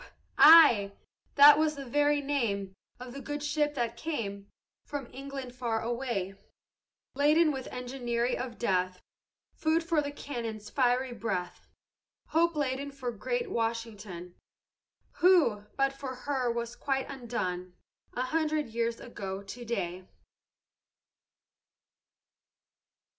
ay; that was the very name Of the good ship that came From England far away, Laden with enginery of death, Food for the cannon's fiery breath; Hope laden for great Washington, Who, but for her, was quite undone A hundred years ago to day.